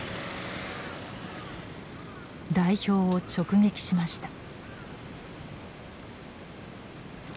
代表を直撃しました。